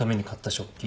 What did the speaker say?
食器？